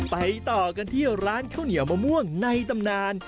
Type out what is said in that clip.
ต่อกันที่ร้านข้าวเหนียวมะม่วงในตำนาน